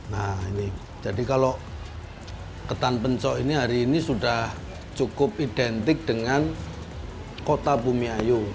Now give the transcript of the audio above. nah ini jadi kalau ketan pencok ini hari ini sudah cukup identik dengan kota bumiayu